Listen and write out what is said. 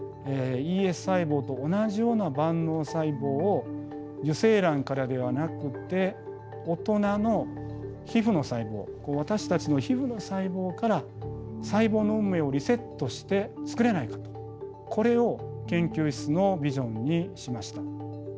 ＥＳ細胞と同じような万能細胞を受精卵からではなくて大人の皮ふの細胞私たちの皮ふの細胞から細胞の運命をリセットしてつくれないかとこれを研究室のビジョンにしました。